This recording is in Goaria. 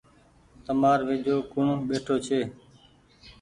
تمآر ويجهو ڪوڻ ٻيٺو ڇي۔